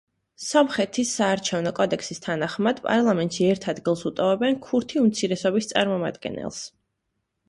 სომხეთის საარჩევნო კოდექსის თანახმად პარლამენტში ერთ ადგილს უტოვებენ ქურთი უმცირესობის წარმომადგენელს.